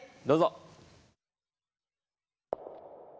どうぞ。